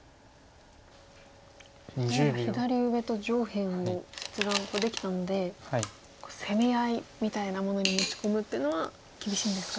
左上と上辺切断ができたので攻め合いみたいなものに持ち込むっていうのは厳しいんですか？